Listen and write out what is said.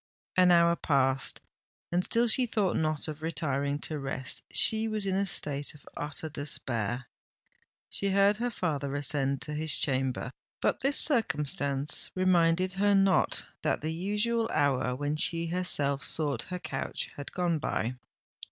An hour passed—and still she thought not of retiring to rest;—she was in a state of utter despair! She heard her father ascend to his chamber: but this circumstance reminded her not that the usual hour when she herself sought her couch had gone by.